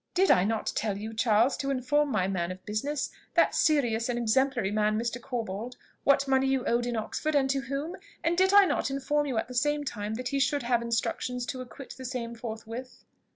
"Did I not tell you, Charles, to inform my man of business, that serious and exemplary man, Mr. Corbold, what money you owed in Oxford, and to whom? And did I not inform you at the same time that he should have instructions to acquit the same forthwith?"